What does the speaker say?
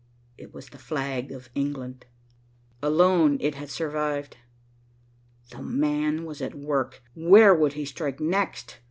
It was the flag of England. Alone it had survived. "The man" was at work. Where would he strike next?